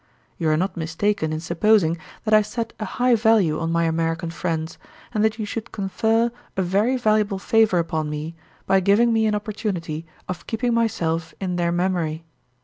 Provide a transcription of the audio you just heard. You are not mistaken in supposing that I set a high value on my American friends, and that you should confer a very valuable favour upon me by giving me an opportunity of keeping myself in their memory.